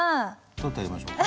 取ってあげましょうか？